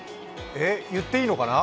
言っていいのかな？